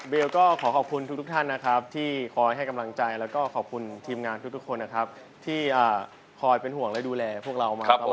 ก็ขอขอบคุณทุกท่านนะครับที่คอยให้กำลังใจแล้วก็ขอบคุณทีมงานทุกคนนะครับที่คอยเป็นห่วงและดูแลพวกเรามาครับผม